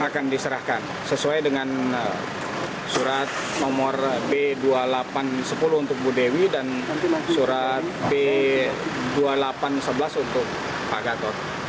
akan diserahkan sesuai dengan surat nomor b dua ribu delapan ratus sepuluh untuk bu dewi dan surat b dua ribu delapan ratus sebelas untuk pak gatot